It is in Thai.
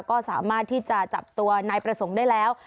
ก็สามารถที่จะจับตัวนายประสงค์ได้แล้ว